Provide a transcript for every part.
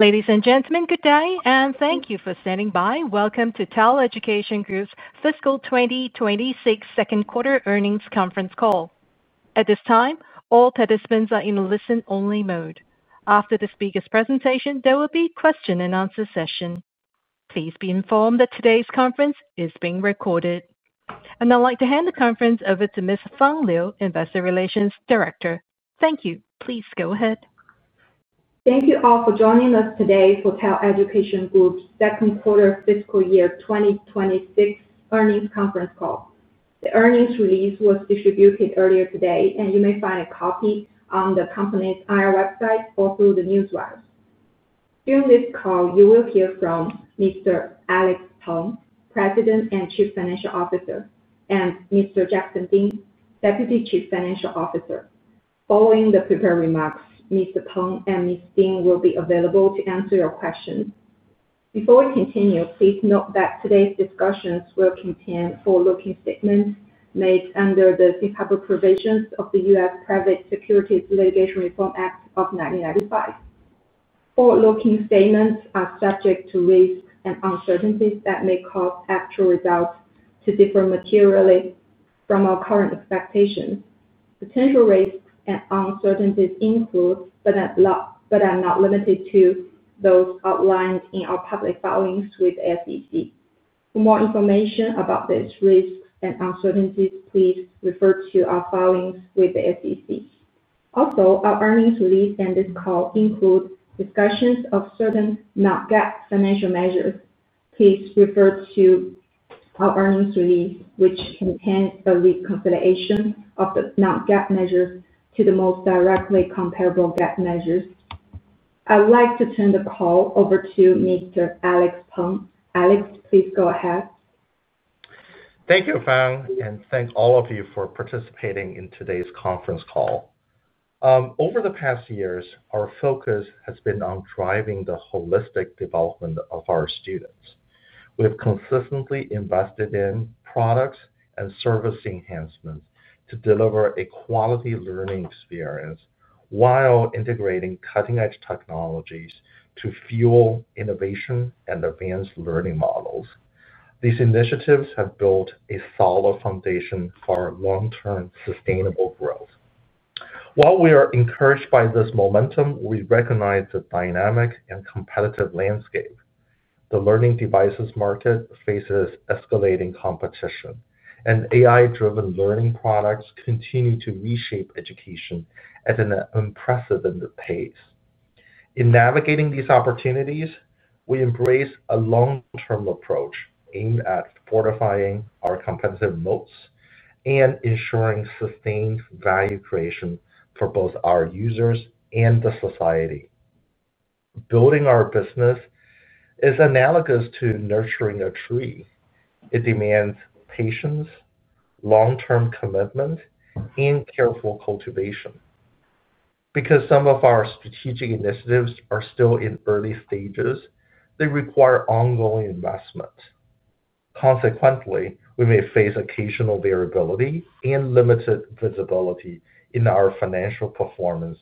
Ladies and gentlemen, good day and thank you for standing by. Welcome to TAL Education Group's Fiscal 2026 Second Quarter Earnings Conference Call. At this time, all participants are in listen-only mode. After the speaker's presentation, there will be a question and answer session. Please be informed that today's conference is being recorded. I would now like to hand the conference over to Ms. Fang Liu, Investor Relations Director. Thank you. Please go ahead. Thank you all for joining us today for TAL Education Group's second quarter fiscal year 2026 earnings conference call. The earnings release was distributed earlier today and you may find a copy on the company IR website or through the newsletters. During this call you will hear from Mr. Alex Peng, President and Chief Financial Officer, and Mr. Jackson Ding, Deputy Chief Financial Officer. Following the prepared remarks, Mr. Peng and Mr. Ding will be available to answer your questions. Before we continue, please note that today's discussions will contain forward-looking statements made under the safe harbor provisions of the U.S. Private Securities Litigation Reform Act of 1995. Forward-looking statements are subject to risks and uncertainties that may cause actual results to differ materially from our current expectations. Potential risks and uncertainties include, but are not limited to, those outlined in our public filings with the SEC. For more information about these risks and uncertainties, please refer to our filings with the SEC. Also, our earnings release and this call include discussions of certain non-GAAP financial measures. Please refer to our earnings release, which contains a reconciliation of the non-GAAP measures to the most directly comparable GAAP measures. I'd like to turn the call over to Mr. Alex Peng. Alex, please go ahead. Thank you, Fang, and thank all of you for participating in today's conference call. Over the past years, our focus has been on driving the holistic development of our students. We have consistently invested in products and service enhancements to deliver a quality learning experience while integrating cutting-edge technologies to fuel innovation and advanced learning models. These initiatives have built a solid foundation for long-term sustainable growth. While we are encouraged by this momentum, we recognize the dynamic and competitive landscape. The learning devices market faces escalating competition, and AI-driven learning products continue to reshape education at an impressive pace. In navigating these opportunities, we embrace a long-term approach aimed at fortifying our competitive moats and ensuring sustained value creation for both our users and the society. Building our business is analogous to nurturing a tree. It demands patience, long-term commitment, and careful cultivation. Because some of our strategic initiatives are still in early stages, they require ongoing investment. Consequently, we may face occasional variability and limited visibility in our financial performance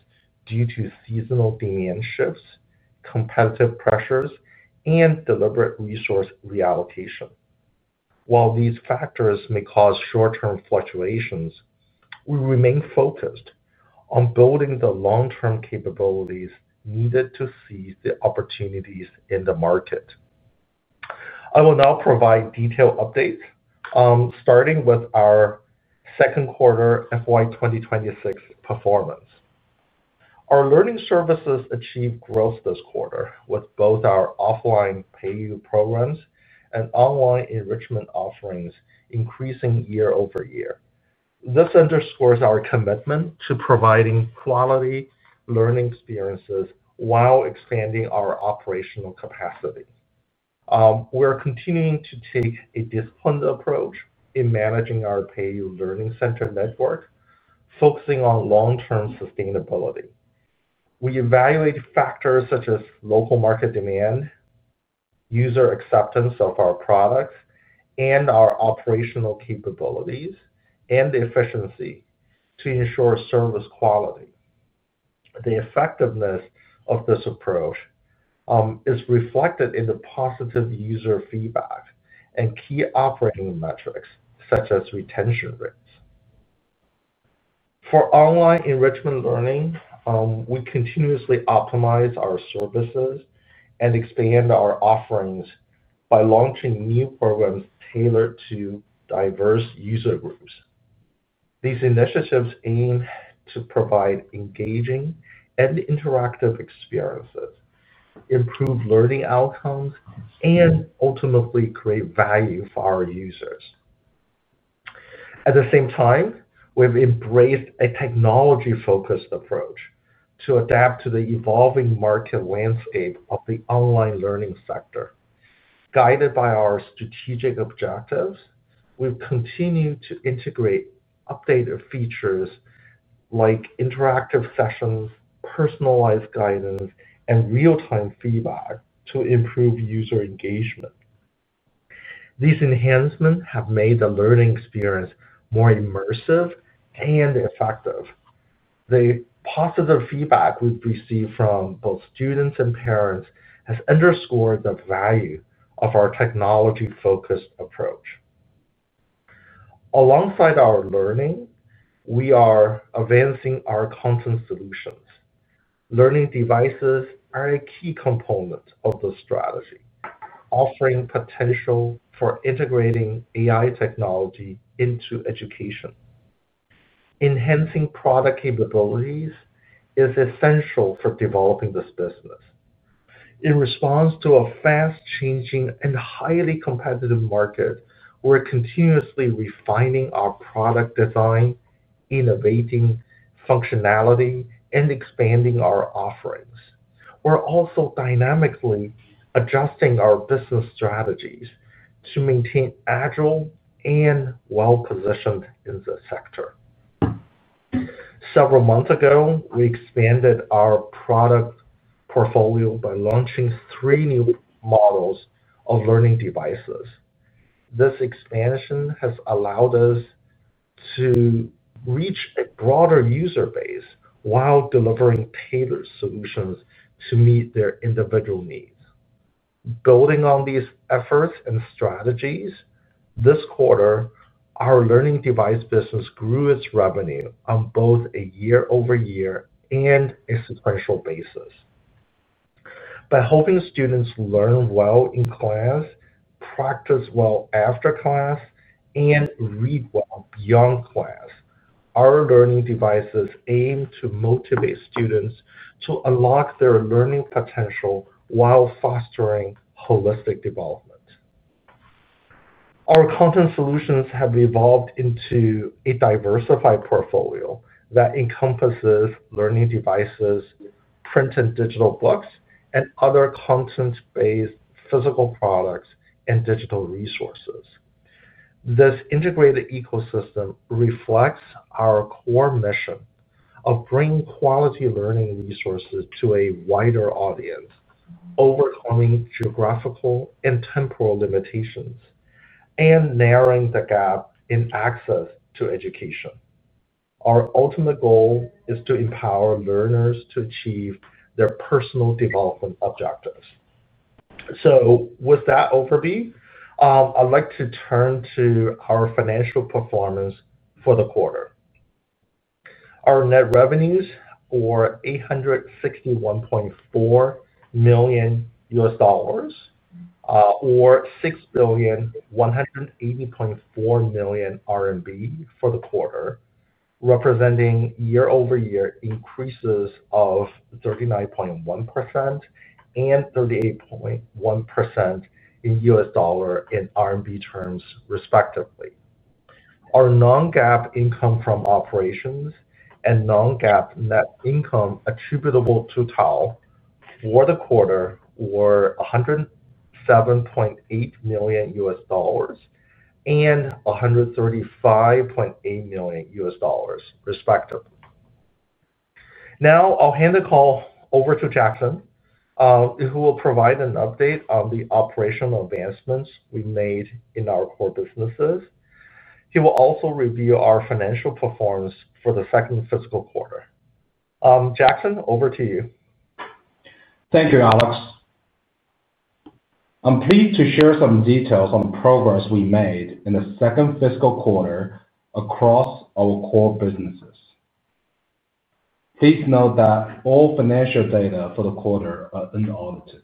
due to seasonal demand shifts, competitive pressures, and deliberate resource reallocation. While these factors may cause short-term fluctuations, we remain focused on building the long-term capabilities needed to seize the opportunities in the market. I will now provide detailed updates starting with our second quarter FY2026 performance. Our learning services achieved growth this quarter with both our offline PayU Small Class Enrichment Programs and online enrichment offerings increasing year over year. This underscores our commitment to providing quality learning experiences while expanding our operational capacity. We are continuing to take a disciplined approach in managing our PayU Learning center network. Focusing on long-term sustainability, we evaluate factors such as local market demand, user acceptance of our products, and our operational capabilities and efficiency to ensure service quality. The effectiveness of this approach is reflected in the positive user feedback and key operating metrics such as retention rates for online enrichment learning. We continuously optimize our services and expand our offerings by launching new programs tailored to diverse user groups. These initiatives aim to provide engaging and interactive experiences, improve learning outcomes, and ultimately create value for our users. At the same time, we've embraced a technology-focused approach to adapt to the evolving market landscape of the online learning sector. Guided by our strategic objectives, we've continued to integrate updated features like interactive sessions, personalized guidance, and real-time feedback to improve user engagement. These enhancements have made the learning experience more immersive and effective. The positive feedback we've received from both students and parents has underscored the value of our technology-focused approach. Alongside our learning, we are advancing our content solutions. Learning devices are a key component of the strategy, offering potential for integrating AI technology into education. Enhancing product capabilities is essential for developing this business. In response to a fast-changing and highly competitive market, we're continuously refining our product design, innovating functionality, and expanding our offerings. We're also dynamically adjusting our business strategies to maintain agile and well-positioned in the sector. Several months ago, we expanded our product portfolio by launching three new models of learning devices. This expansion has allowed us to reach a broader user base while delivering tailored solutions to meet their individual needs. Building on these efforts and strategies, this quarter our learning device business grew its revenue on both a year-over-year and a sequential basis. By helping students learn well in class, practice well after class, and read well beyond class, our learning devices aim to motivate students to unlock their learning potential while fostering holistic development. Our content solutions have evolved into a diversified portfolio that encompasses learning devices, print and digital books, and other content-based physical products and digital resources. This integrated ecosystem reflects our core mission of bringing quality learning resources to a wider audience, overcoming geographical and temporal limitations, and narrowing the gap in access to education. Our ultimate goal is to empower learners to achieve their personal development objectives. With that, I'd like to turn to our financial performance for the quarter. Our net revenues were $861.4 million or RMB 6,180.4 million for the quarter, representing year over year increases of 39.1% and 38.1% in U.S. dollar and RMB terms respectively. Our non-GAAP income from operations and non-GAAP net income attributable to TAL for the quarter were $107.8 million and $135.8 million respectively. Now I'll hand the call over to Jackson, who will provide an update on the operational advancements we made in our core businesses. He will also review our financial performance for the second fiscal quarter. Jackson, over to you. Thank you, Alex. I'm pleased to share some details on progress we made in the second fiscal quarter across our core businesses. Please note that all financial data for the quarter are unaudited.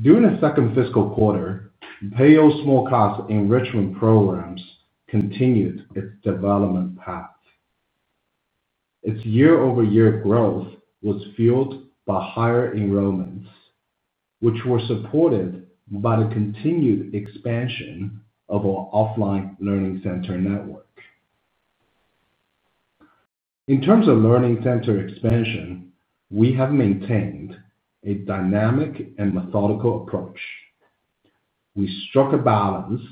During the second fiscal quarter, PayU Small Class Enrichment Programs continued its development path. Its year over year growth was fueled by higher enrollments, which were supported by the continued expansion of our offline learning center network. In terms of learning center expansion, we have maintained a dynamic and methodical approach. We struck a balance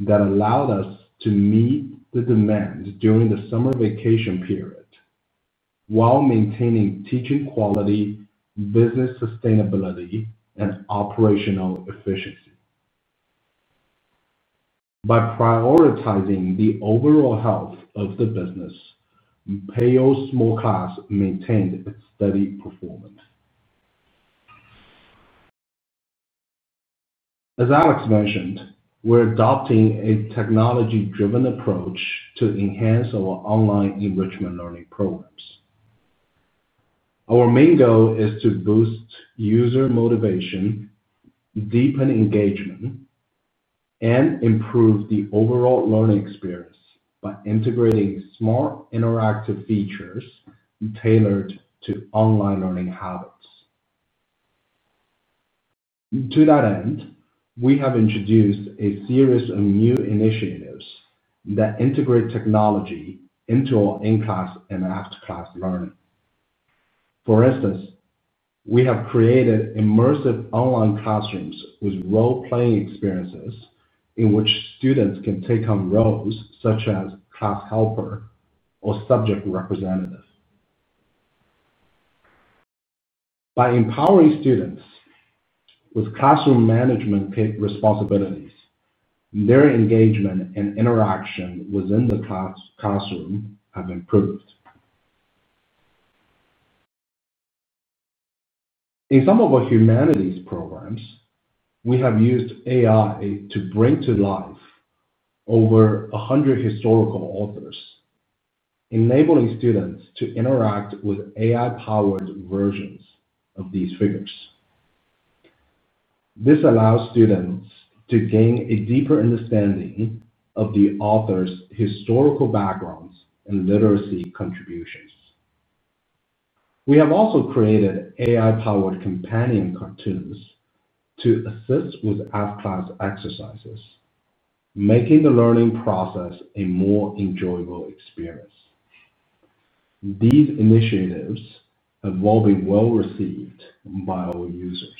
that allowed us to meet the demands during the summer vacation period while maintaining teaching quality, business sustainability, and operational efficiency. By prioritizing the overall health of the business, PAYU Small Class maintained its steady performance. As Alex mentioned, we're adopting a technology-driven approach to enhance our online enrichment learning programs. Our main goal is to boost user motivation, deepen engagement, and improve the overall learning experience by integrating smart interactive features tailored to online learning habits. To that end, we have introduced a series of new initiatives that integrate technology into our in-class and after-class learning. For instance, we have created immersive online classrooms with role-playing experiences in which students can take on roles such as class helper or subject representative. By empowering students with classroom management responsibilities, their engagement and interaction within the classroom have improved. In some of our humanities programs, we have used AI to bring to life over 100 historical authors, enabling students to interact with AI-powered versions of these figures. This allows students to gain a deeper understanding of the authors' historical backgrounds and literary contributions. We have also created AI-powered companion cartoons to assist with app class exercises, making the learning process a more enjoyable experience. These initiatives have all been well received by all users.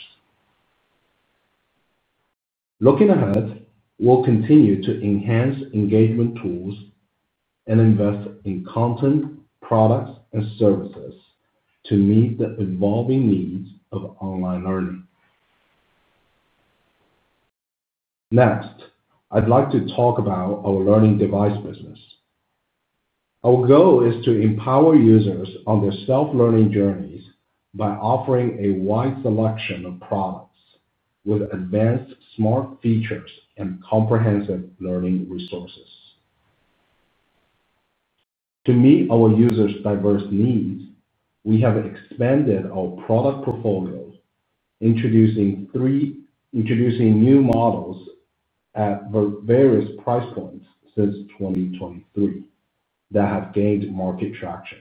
Looking ahead, we'll continue to enhance engagement tools and invest in content, products, and services to meet the evolving needs of online learning. Next, I'd like to talk about our learning device business. Our goal is to empower users on their self-learning journeys by offering a wide selection of products with advanced smart features and comprehensive learning resources to meet our users' diverse needs. We have expanded our product portfolio, introducing new models at various price points since 2023 that have gained market traction.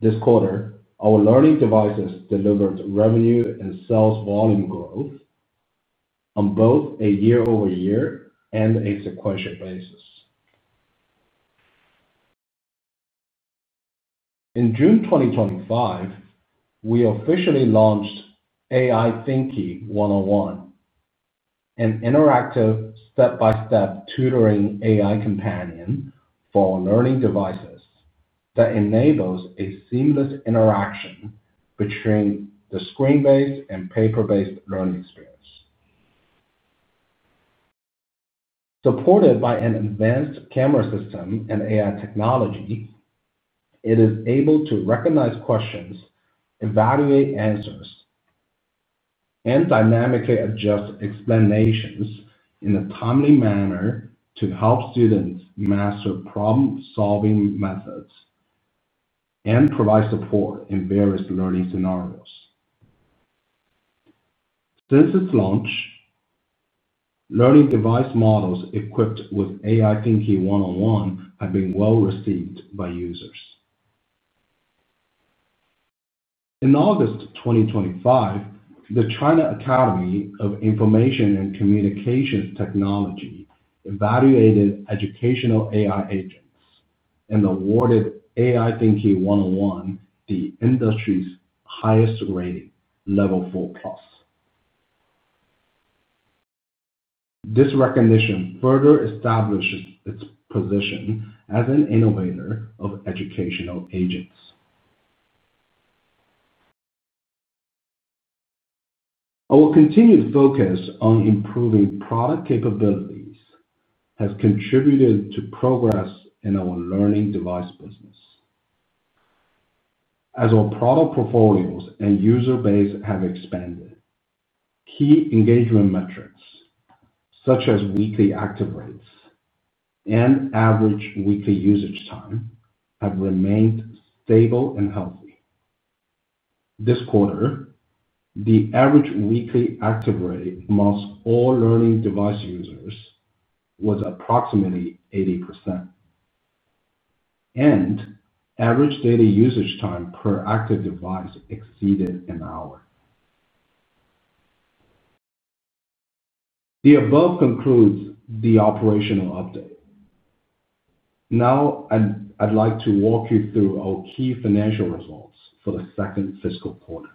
This quarter our learning devices delivered revenue and sales volume growth on both a year-over-year and a sequential basis. In June 2025, we officially launched AI Thinke 101, an interactive step by step tutoring AI companion for learning devices that enables a seamless interaction between the screen based and paper based learning experience. Supported by an advanced camera system and AI technology, it is able to recognize questions, evaluate answers, and dynamically adjust explanations in a timely manner to help students master problem solving methods and provide support in various learning scenarios. Since its launch, learning device models equipped with AI Thinke 101 have been well received by users. In August 2025, the China Academy of Information and Communications Technology evaluated educational AI agents and awarded AI Thinke 101 the industry's highest rating, Level four. This recognition further establishes its position as an innovator of educational agents. Our continued focus on improving product capabilities has contributed to progress in our learning device business. As our product portfolios and user base have expanded, key engagement metrics such as weekly active rates and average weekly usage time have remained stable and healthy. This quarter, the average weekly active rate among all learning device users was approximately 80% and average data usage time per active device exceeded an hour. The above concludes the operational update. Now I'd like to walk you through our key financial results for the second fiscal quarter.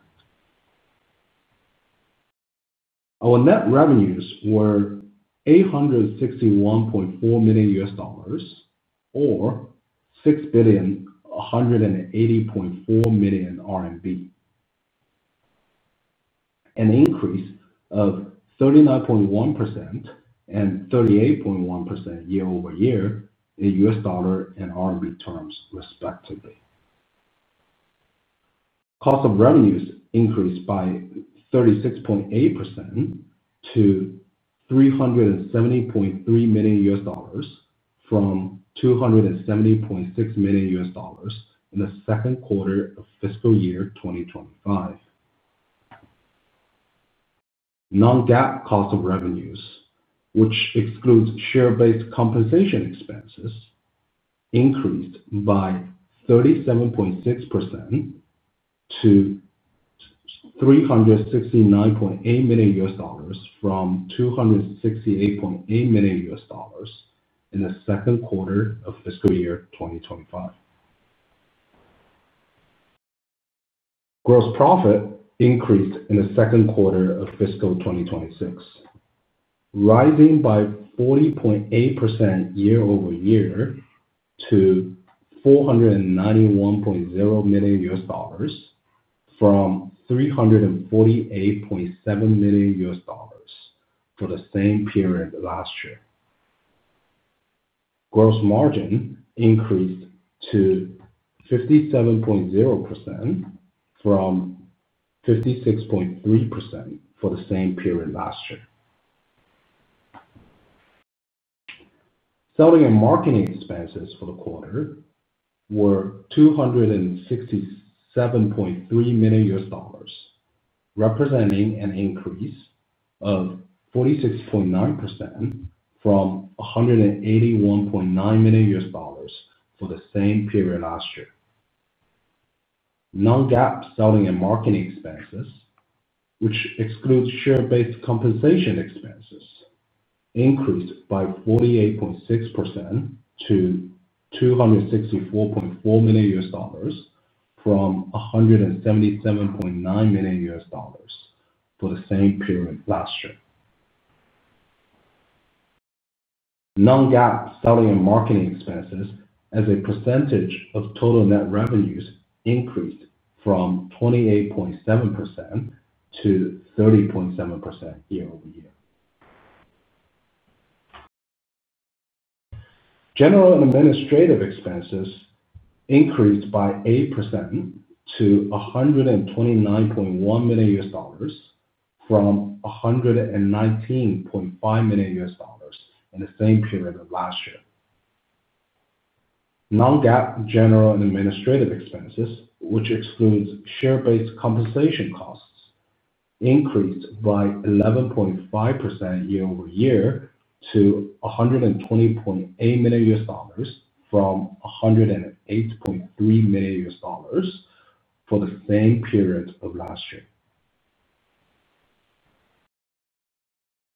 Our net revenues were $861.4 million or RMB 6,180.4 million, an increase of 39.1% and 38.1% year-over-year in U.S. dollar and RMB terms respectively. Cost of revenues increased by 36.8% to $370.3 million from $270.6 million in the second quarter of fiscal year 2025. Non-GAAP cost of revenues, which excludes share based compensation expenses, increased by 37.6% to $369.8 million from $268.8 million in the second quarter of fiscal year 2025. Gross profit increased in the second quarter of fiscal 2026, rising by 40.8% year-over-year to $491.0 million from $348.7 million for the same period last year. Gross margin increased to 57.0% from 56.3% for the same period last year. Selling and marketing expenses for the quarter were $267.3 million, representing an increase of 46.9% from $181.9 million for the same period last year. Non-GAAP selling and marketing expenses, which excludes share-based compensation expenses, increased by 48.6% to $264.4 million from $177.9 million for the same period last year. Non-GAAP selling and marketing expenses as a percentage of total net revenues increased from 28.7% to 30.7% year-over-year. General and administrative expenses increased by 8% to $129.1 million from $119.5 million in the same period of last year. Non-GAAP general and administrative expenses, which excludes share-based compensation costs, increased by 11.5% year-over-year to $120.8 million from $108.3 million for the same period of last year.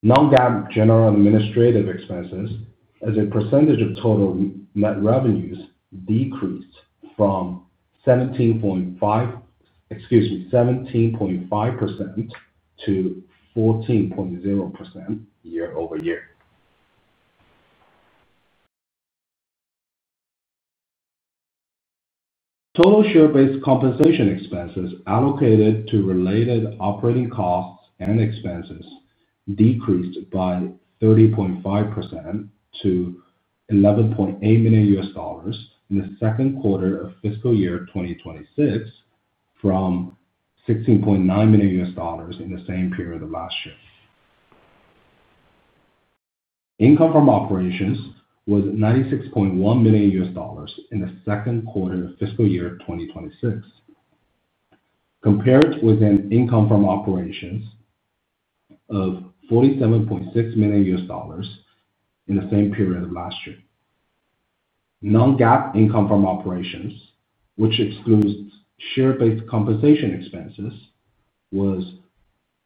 Non-GAAP general and administrative expenses as a percentage of total net revenues decreased from 17.5% to 14.0% year-over-year. Total share-based compensation expenses allocated to related operating costs and expenses decreased by 30.5% to $11.8 million in the second quarter of fiscal year 2026 from $16.9 million in the same period last year. Income from operations was $96.1 million in the second quarter of fiscal year 2026 compared with income from operations of $47.6 million in the same period of last year. Non-GAAP income from operations, which excludes share-based compensation expenses, was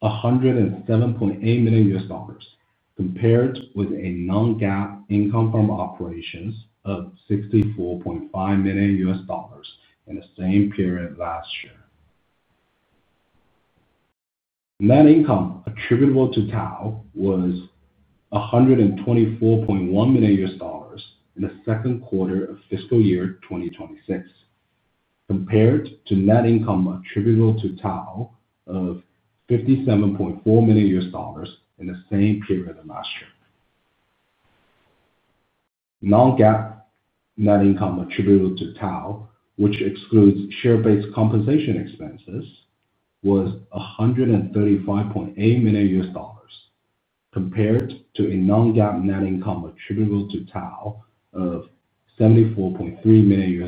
$107.8 million compared with non-GAAP income from operations of $64.5 million in the same period last year. Net income attributable to TAL was $124.1 million in the second quarter of fiscal year 2026 compared to net income attributable to TAL of $57.4 million in the same period. Non-GAAP net income attributable to TAL, which excludes share-based compensation expenses, was $135.8 million compared to non-GAAP net income attributable to TAL of $74.3 million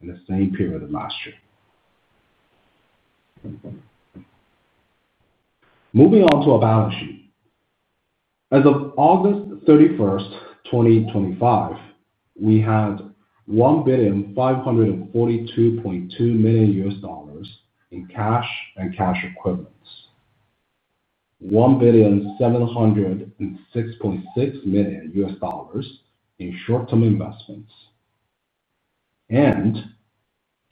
in the same period last year. Moving on to our balance sheet, as of August 31st, 2025, we had $1,542.2 million in cash and cash equivalents, $1,706.6 million in short-term investments, and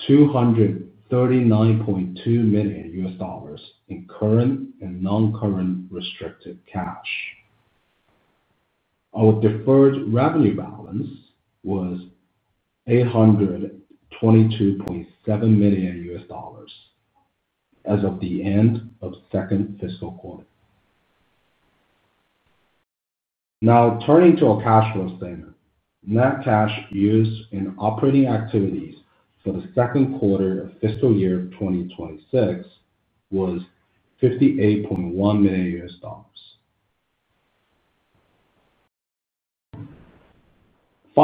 $239.2 million in current and non-current restricted cash. Our deferred revenue balance was $822.7 million as of the end of the second fiscal quarter. Now turning to our cash flow statement, net cash used in operating activities for the second quarter of fiscal year 2026 was $58.1 million.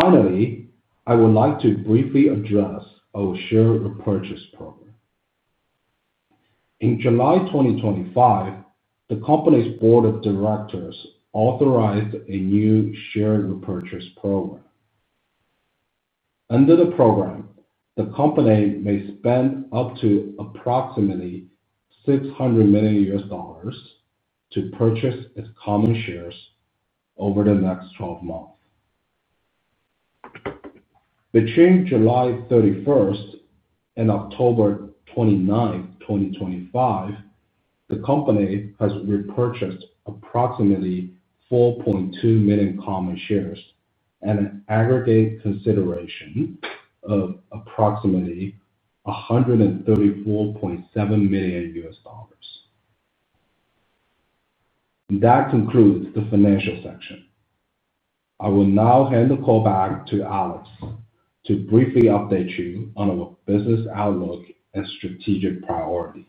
Finally, I would like to briefly address our share repurchase program. In July 2025, the Company's Board of Directors authorized a new share repurchase program. Under the program, the Company may spend up to approximately $600 million to purchase its common shares. Over the next 12 months between July 31st and October 29, 2025, the Company has repurchased approximately 4.2 million common shares at an aggregate consideration of approximately $134.7 million. That concludes the Financial section. I will now hand the call back to Alex to briefly update you on our business outlook and strategic priorities.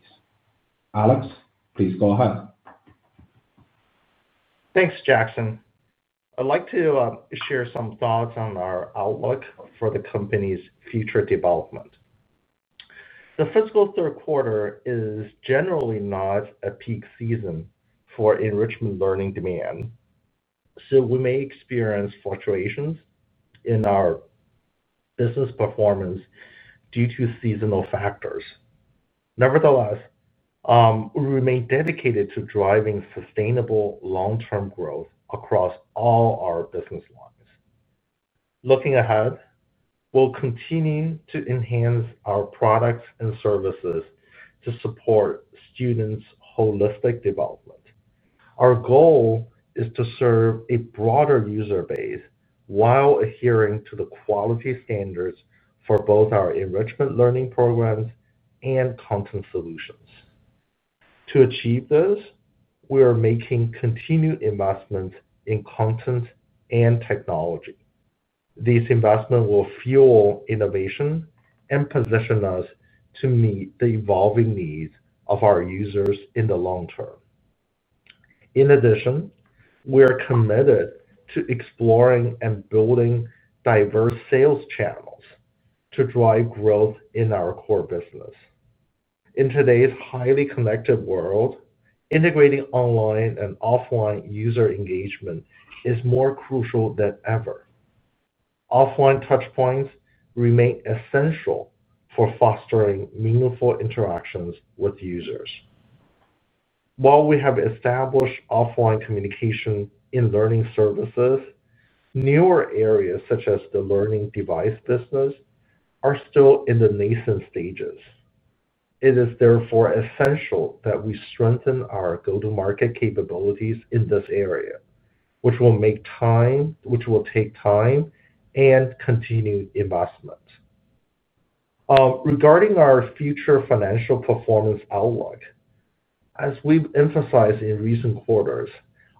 Alex, please go ahead. Thanks, Jackson. I'd like to share some thoughts on our outlook for the Company's future development. The fiscal third quarter is generally not a peak season for enrichment learning demand, so we may experience fluctuations in our business performance due to seasonal factors. Nevertheless, we remain dedicated to driving sustainable long term growth across all our business lines. Looking ahead, we'll continue to enhance our products and services to support students' holistic development. Our goal is to serve a broader user base while adhering to the quality standards for both our enrichment learning programs and content solutions. To achieve this, we are making continued investments in content and technology. These investments will fuel innovation and position us to meet the evolving needs of our users in the long term. In addition, we are committed to exploring and building diverse sales channels to drive growth in our core business. In today's highly connected world, integrating online and offline user engagement is more crucial than ever. Offline touchpoints remain essential for fostering meaningful interactions with users. While we have established offline communication in learning services, newer areas such as the learning device business are still in the nascent stages. It is therefore essential that we strengthen our go to market capabilities in this area, which will take time and continued investment. Regarding our future financial performance outlook, as we've emphasized in recent quarters,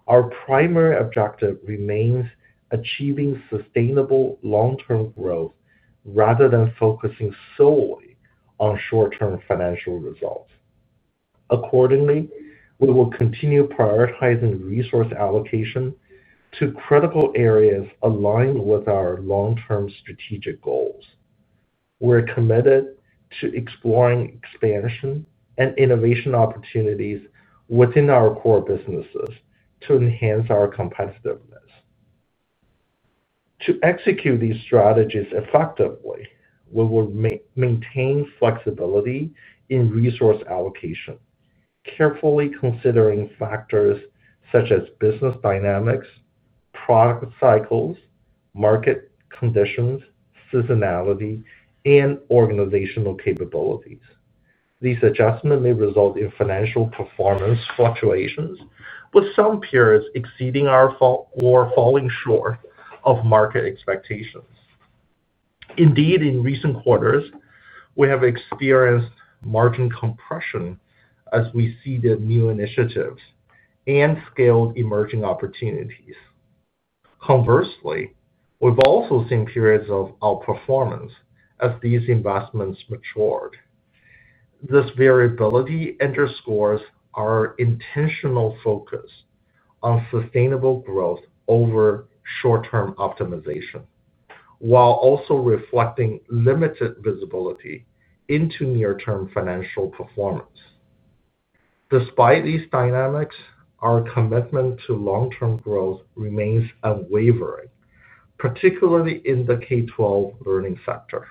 our primary objective remains achieving sustainable long term growth rather than focusing solely on short term financial results. Accordingly, we will continue prioritizing resource allocation to critical areas aligned with our long term strategic goals. We're committed to exploring expansion and innovation opportunities within our core businesses to enhance our competitiveness. To execute these strategies effectively, we will maintain flexibility in resource allocation, carefully considering factors such as business dynamics, product cycles, market conditions, seasonality, and organizational capabilities. These adjustments may result in financial performance fluctuations, with some peers exceeding or falling short of market expectations. Indeed, in recent quarters we have experienced margin compression as we seed the new initiatives and scaled emerging opportunities. Conversely, we've also seen periods of outperformance as these investments matured. This variability underscores our intentional focus on sustainable growth over short term optimization while also reflecting limited visibility into near term financial performance. Despite these dynamics, our commitment to long term growth remains unwavering, particularly in the K12 learning sector.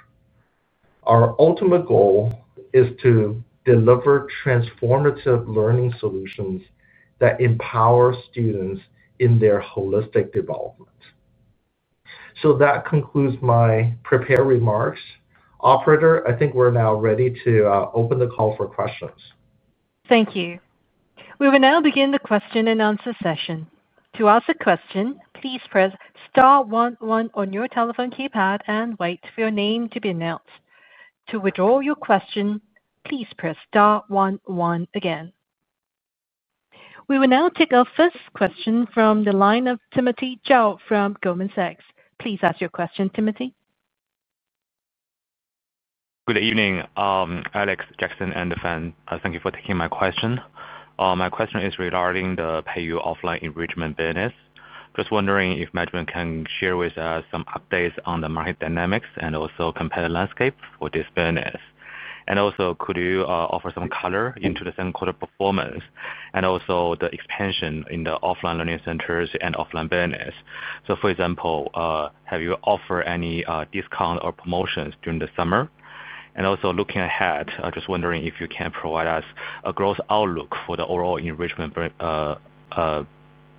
Our ultimate goal is to deliver transformative learning solutions that empower students in their holistic development. That concludes my prepared remarks. Operator, I think we're now ready to open the call for questions. Thank you. We will now begin the question and answer session. To ask a question, please press star 11 on your telephone keypad and wait for your name to be announced. To withdraw your question, please press star 11 again. We will now take our first question from the line of Timothy Zhao from Goldman Sachs. Please ask your question, Timothy. Good evening, Alex, Jackson, and Fang. Thank you for taking my question. My question is regarding the PayU Small Class Enrichment Programs offline enrichment business. Just wondering if management can share with us some updates on the market dynamics and also competitive landscape for this business. Could you offer some color into the second quarter performance and also the expansion in the offline learning centers and offline business? For example, have you offered any discount or promotions during the summer? Looking ahead, I'm just wondering if you can provide us a growth outlook for the overall enrichment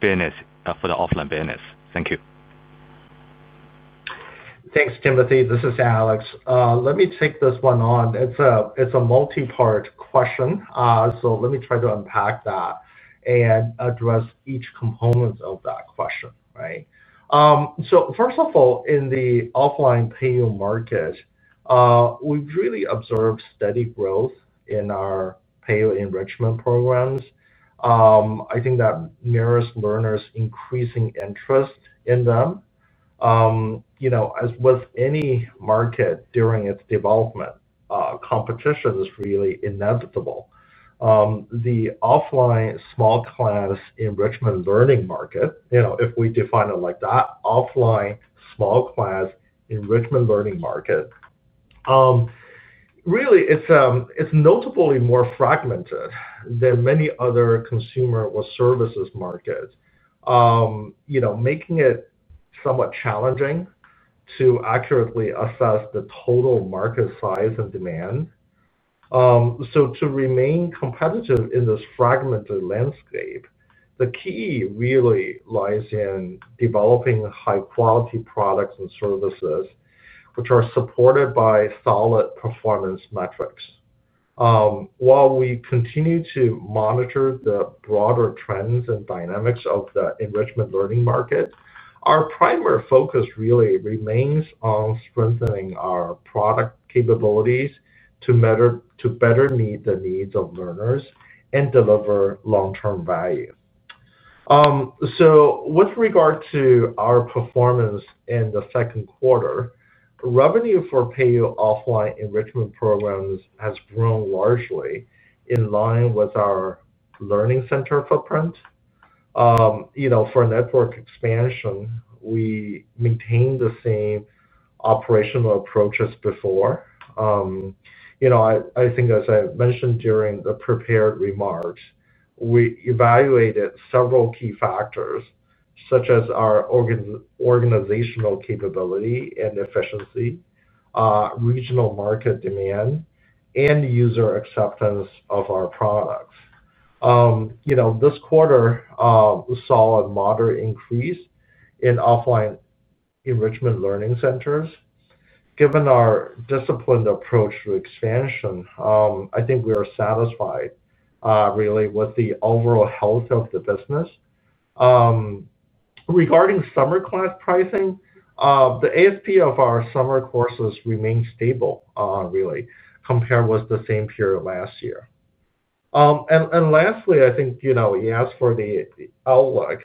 business for the offline business. Thank you. Thanks Timothy. This is Alex. Let me take this one on. It's a multi part question, so let me try to unpack that and address each component of that question. First of all, in the offline payer market we've really observed steady growth in our PayU Small Class Enrichment Programs. I think that mirrors learners' increasing interest in them. As with any market during its development, competition is really inevitable. The offline small class enrichment learning market, if we define it like that, offline small class enrichment learning market, really it's notably more fragmented than many other consumer or services markets, making it somewhat challenging to accurately assess the total market size and demand. To remain competitive in this fragmented landscape, the key really lies in developing high quality products and services which are supported by solid performance metrics. While we continue to monitor the broader trends and dynamics of the enrichment learning market, our primary focus really remains on strengthening our product capabilities to better meet the needs of learners and deliver long term value. With regard to our performance in the second quarter, revenue for PayU offline enrichment programs has grown largely in line with our learning center footprint. For network expansion, we maintain the same operational approach as before. I think as I mentioned during the prepared remarks, we evaluated several key factors such as our organizational capability and efficiency, regional market demand, and user acceptance of our products. This quarter we saw a moderate increase in offline enrichment learning centers. Given our disciplined approach to expansion, I think we are satisfied really with the overall health of the business. Regarding summer class pricing, the ASP of our summer courses remains stable really compared with the same period last year. Lastly, I think you asked for the outlook.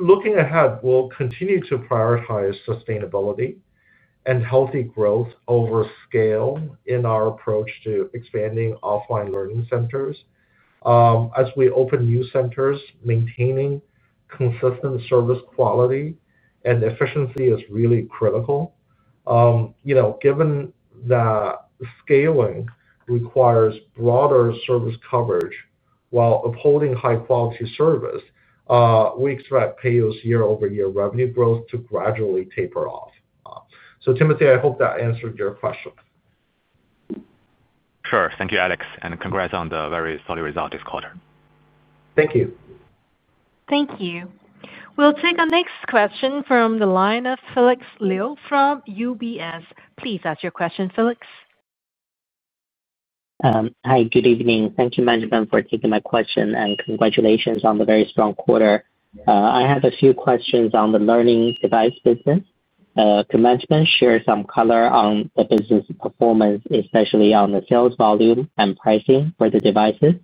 Looking ahead, we'll continue to prioritize sustainability and healthy growth over scale in our approach to expanding offline learning centers. As we open new centers, maintaining consistent service quality and efficiency is really critical given the scaling requires broader service coverage. While upholding high quality service, we expect PayU's year-over-year revenue growth to gradually taper off. Timothy, I hope that answered your question. Sure. Thank you, Alex, and congrats on the very solid result this quarter. Thank you. Thank you. We'll take our next question from the line of Felix Liu from UBS. Please ask your question, Felix. Hi, good evening. Thank you, management, for taking my question, and congratulations on the very strong quarter. I have a few questions on the learning device business. Management, could you share some color on the business performance, especially on the sales volume and pricing for the devices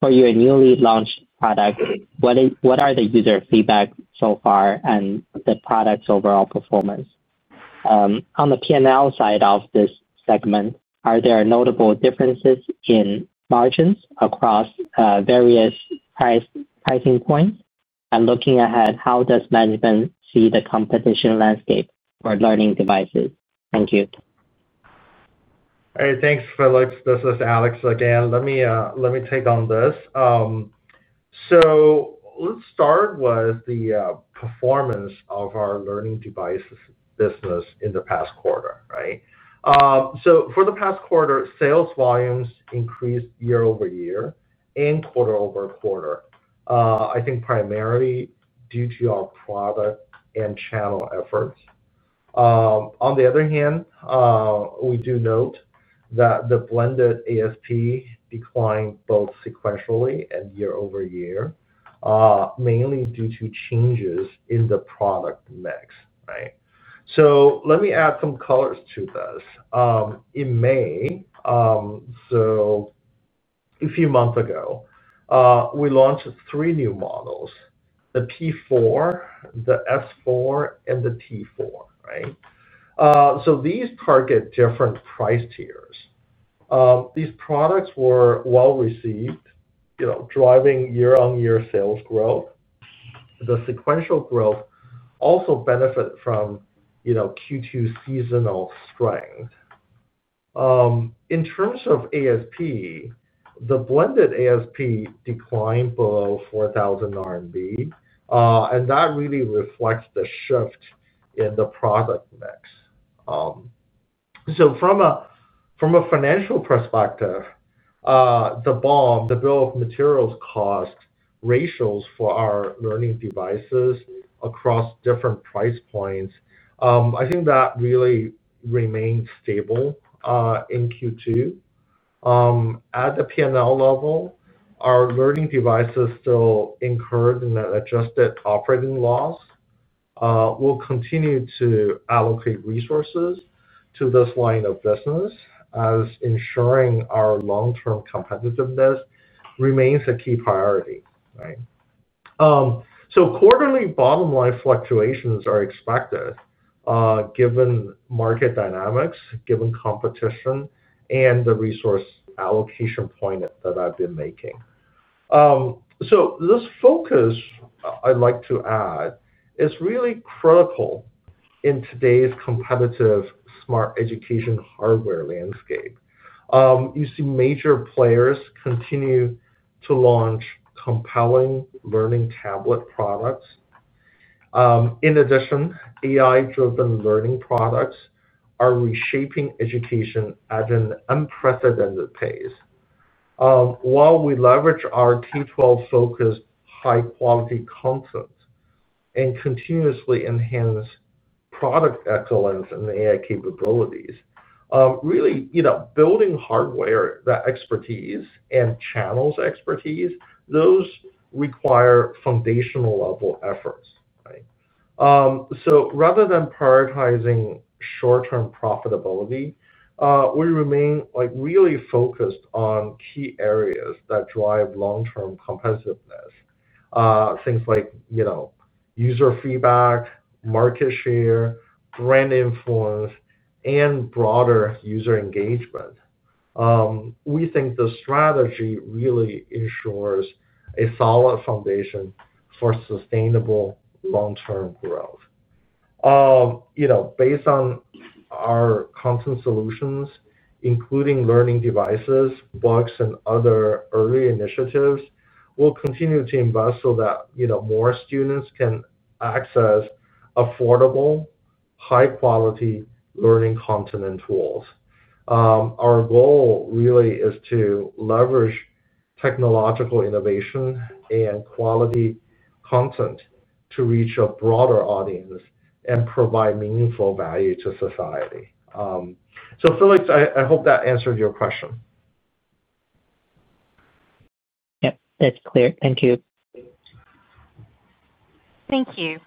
for your newly launched product? What are the user feedback so far and the product's overall performance on the P&L side of this segment? Are there notable differences in margins across various pricing points? Looking ahead, how does management see the competition landscape for learning devices? Thank you. Thanks. Felix, this is Alex again. Let me take on this. Let's start with the performance of our learning devices business in the past quarter. For the past quarter, sales volumes increased year over year and quarter over quarter, primarily due to our product and channel efforts. On the other hand, we do note that the blended ASP declined both sequentially and year over year, mainly due to changes in the product mix. Let me add some color to this. In May, a few months ago, we launched three new models, the P4, the S4, and the T4. These target different price tiers. These products were well received, driving year over year sales growth. The sequential growth also benefited from Q2 seasonal strength. In terms of ASP, the blended ASP declined below 4,000 RMB, and that really reflects the shift in the product mix. From a financial perspective, the bill of materials cost ratios for our learning devices across different price points really remained stable in Q2. At the P&L level, our learning devices still incurred an adjusted operating loss. We'll continue to allocate resources to this line of business as ensuring our long-term competitiveness remains a key priority. Quarterly bottom line fluctuations are expected given market dynamics, competition, and the resource allocation point that I've been making. This focus, I'd like to add, is really critical. In today's competitive smart education hardware landscape, you see major players continue to launch compelling learning tablet products. In addition, AI-driven learning products are reshaping education at an unprecedented pace. While we leverage our K12-focused high-quality content and continuously enhance product excellence and AI capabilities, really building hardware expertise and channel expertise requires foundational level efforts. Rather than prioritizing short-term profitability, we remain really focused on key areas that drive long-term competitiveness, things like user feedback, market share, brand influence, and broader user engagement. We think the strategy really ensures a solid foundation for sustainable long-term growth. Based on our content solutions, including learning devices, books, and other early initiatives, we'll continue to invest so that more students can access affordable high-quality learning content and tools. Our goal really is to leverage technological innovation and quality content to reach a broader audience and provide meaningful value to society. Felix, I hope that answered your question. Yep, that's clear. Thank you. Thank you.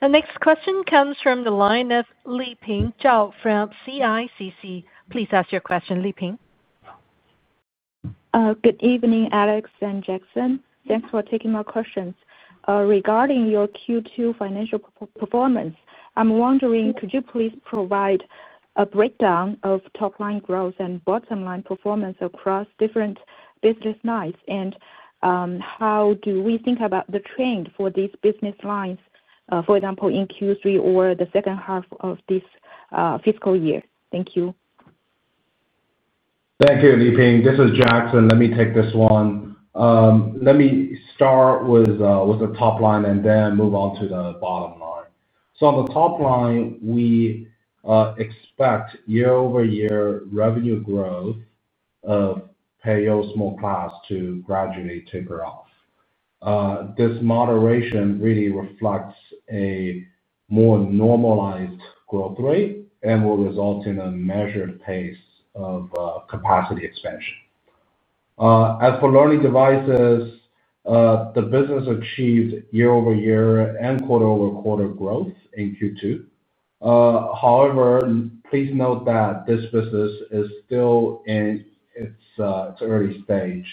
The next question comes from the line of Li Ping Zhao from CICC. Please ask your question, Li Ping. Good evening, Alex and Jackson. Thanks for taking my questions regarding your Q2 financial performance. I'm wondering, could you please provide a breakdown of top line growth and bottom line performance across different business lines, and how do we think about the trend for these business lines, for example, in Q3 or the second half of this fiscal year? Thank you. Thank you. Li Ping, this is Jackson. Let me take this one. Let me start with the top line and then move on to the bottom line. On the top line, we expect year over year revenue growth of PAYU Small Class to gradually taper off. This moderation really reflects a more normalized growth rate and will result in a measured pace of capacity expansion. As for learning devices, the business achieved year over year and quarter over quarter growth in Q2. However, please note that this business is still in its early stage.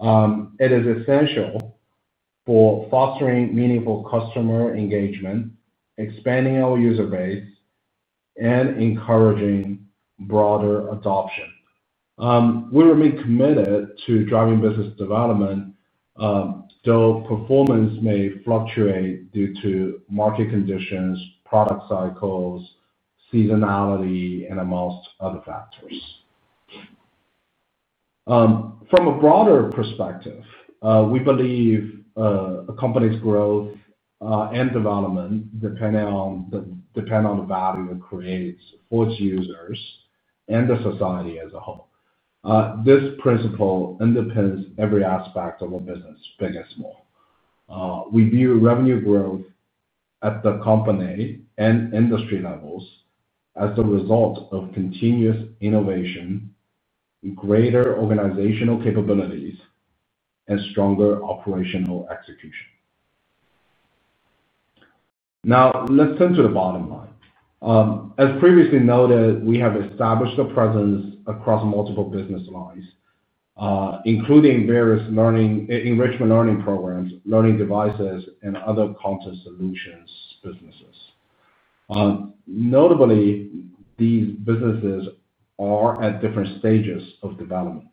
It is essential for fostering meaningful customer engagement, expanding our user base, and encouraging broader adoption. We remain committed to driving business development, though performance may fluctuate due to market conditions, product cycles, seasonality, and among other factors. From a broader perspective, we believe a company's growth and development depend on the value it creates for its users and the society as a whole. This principle underpins every aspect of a business, big and small. We view revenue growth at the company and industry levels as the result of continuous innovation, greater organizational capabilities, and stronger operational execution. Now let's turn to the bottom line. As previously noted, we have established a presence across multiple business lines including various enrichment learning programs, learning devices, and other content solutions businesses. Notably, these businesses are at different stages of development,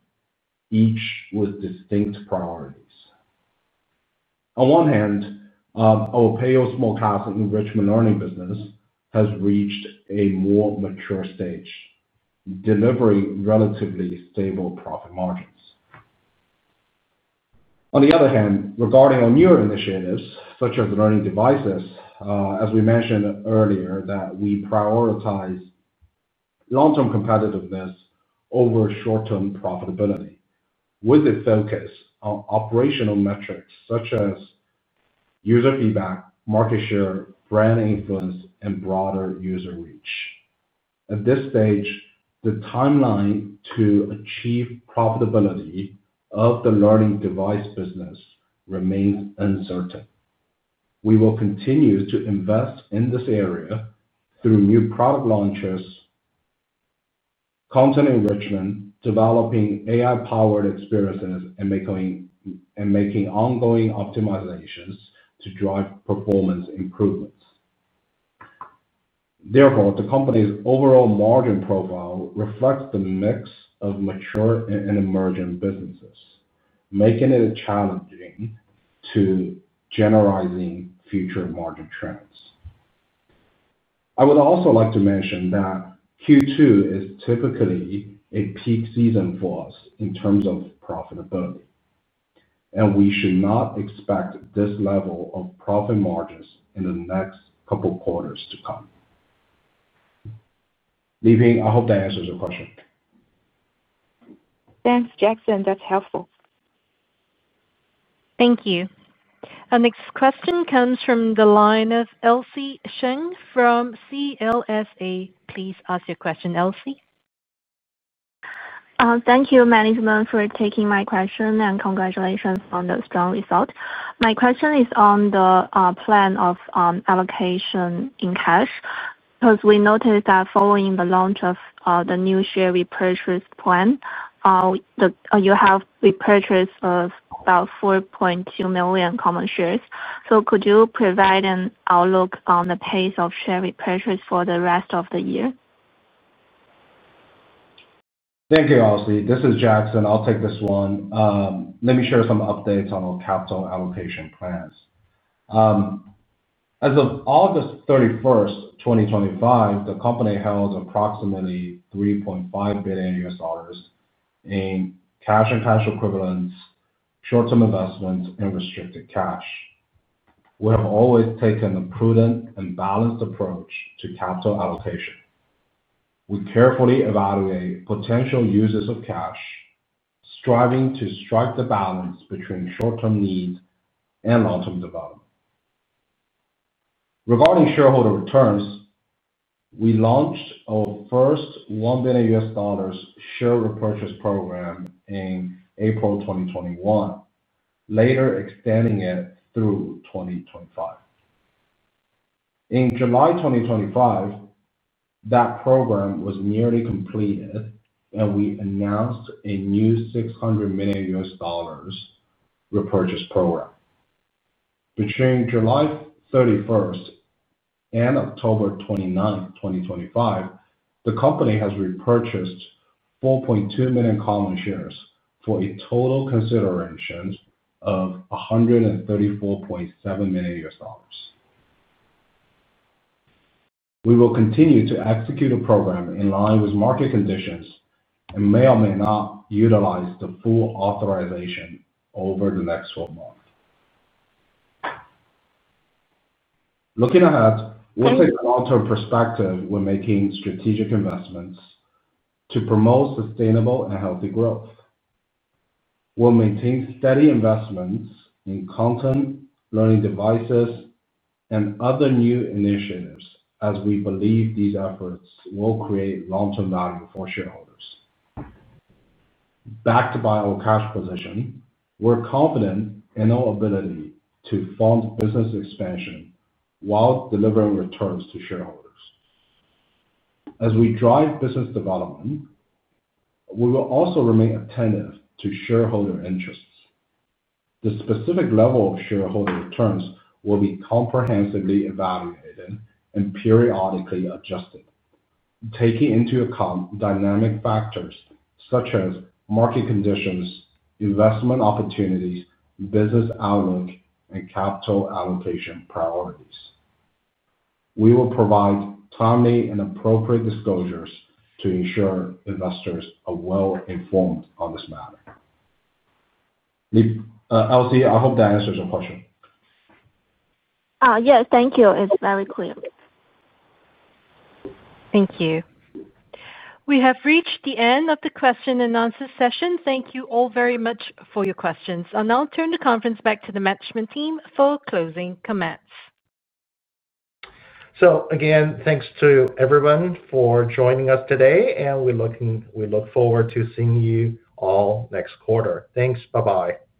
each with distinct priorities. On one hand, PayU Small Class Enrichment Programs business has reached a more mature stage, delivering relatively stable profit margins. On the other hand, regarding our newer initiatives such as learning devices, as we mentioned earlier, we prioritize long term competitiveness over short term profitability with a focus on operational metrics such as user feedback, market share, brand influence, and broader user reach. At this stage, the timeline to achieve profitability of the learning device business remains uncertain. We will continue to invest in this area through new product launches, content enrichment, developing AI-powered experiences, and making ongoing optimizations to drive performance improvements. Therefore, the company's overall margin profile reflects the mix of mature and emerging businesses, making it challenging to generalize future margin trends. I would also like to mention that Q2 is typically a peak season for us in terms of profitability, and we should not expect this level of profit margins in the next couple of quarters to come. Li Ping, I hope that answers your question. Thanks, Jackson, that's helpful. Thank you. Our next question comes from the line of Elsie Sheng from CLSA. Please ask your question, Elsie. Thank you management for taking my question and congratulations on the strong result. My question is on the plan of allocation in cash because we noticed that following the launch of the new share repurchase plan you have repurchased about 4.2 million common shares. Could you provide an outlook on the pace of share repurchase for the rest of the year? Thank you. Elsie, this is Jackson, I'll take this one. Let me share some updates on our capital allocation plans. As of August 31st, 2025, the Company held approximately $3.5 billion in cash and cash equivalents, short term investments and restricted cash. We have always taken a prudent and balanced approach to capital allocation. We carefully evaluate potential uses of cash, striving to strike the balance between short term needs and long term development. Regarding shareholder returns, we launched our first $1 billion share repurchase program in April 2021, later extending it through 2025. In July 2025, that program was nearly completed and we announced a new $600 million repurchase program. Between July 31st and October 29, 2025, the Company has repurchased 4.2 million common shares for a total consideration of $134.7 million. We will continue to execute a program in line with market conditions and may or may not utilize the full authorization over the next 12 months. Looking ahead, we'll take a long term perspective when making strategic investments to promote sustainable and healthy growth. We'll maintain steady investments in content, learning devices and other new initiatives as we believe these efforts will create long term value for shareholders. Backed by our cash position, we're confident in our ability to fund business expansion while delivering returns to shareholders. As we drive business development, we will also remain attentive to shareholder interests. The specific level of shareholder returns will be comprehensively evaluated and periodically adjusted, taking into account dynamic factors such as market conditions, investment opportunities, business outlook and capital allocation priorities. We will provide timely and appropriate disclosures to ensure investors are well informed on this matter. Elsie, I hope that answers your question. Yes, thank you. It's very clear. Thank you. We have reached the end of the question and answer session. Thank you all very much for your questions. I'll now turn the conference back to the management team for closing comments. Thank you again to everyone for joining us today. We look forward to seeing you all next quarter. Thanks. Bye bye.